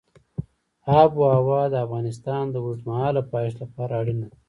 آب وهوا د افغانستان د اوږدمهاله پایښت لپاره اړینه ده.